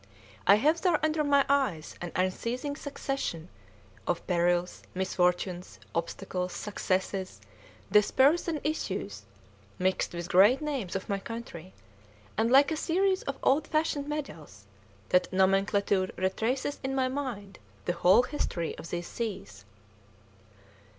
I have there under my eyes an unceasing succession of perils, misfortunes, obstacles, successes, despairs, and issues, mixed with great names of my country, and, like a series of old fashioned medals, that nomenclature retraces in my mind the whole history of these seas."